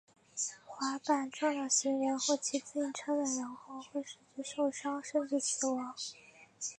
滑板撞到行人或骑自行车的人后会使之受伤甚至死亡。